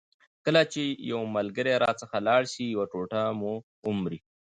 کله چي یو ملګری راڅخه لاړ سي یو ټوټه مو ومري.